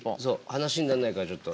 話になんないからちょっと。